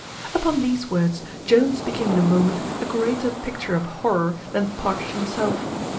Upon these words Jones became in a moment a greater picture of horror than Partridge himself.